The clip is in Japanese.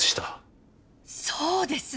そうです。